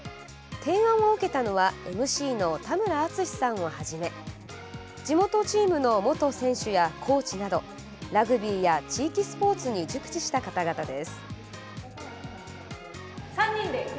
提案を受けたのはＭＣの田村淳さんをはじめ地元チームの元選手やコーチなどラグビーや地域スポーツに熟知した方々です。